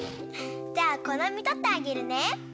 じゃあこのみとってあげるね。